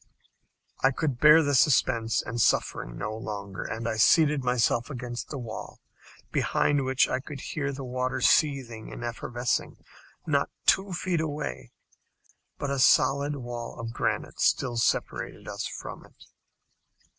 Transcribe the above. I could bear the suspense and suffering no longer, and seated myself against the wall, behind which I could hear the water seething and effervescing not two feet away. But a solid wall of granite still separated us from it!